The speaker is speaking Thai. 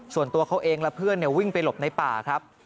ส่วนตัวเขาเองและเพื่อนวิ่งไปหลบในป่าครับ